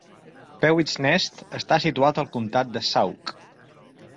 Pewits Nest està situat al comtat de Sauk.